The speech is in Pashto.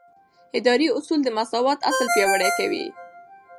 اداري اصول د مساوات اصل پیاوړی کوي.